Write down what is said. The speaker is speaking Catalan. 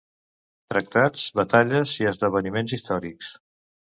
Tractats, batalles i esdeveniments històrics.